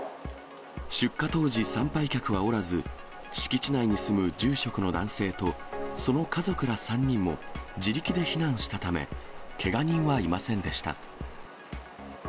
出火当時、参拝客はおらず、敷地内に住む住職の男性と、その家族ら３人も、自力で避難したため、けが人はいませんでした。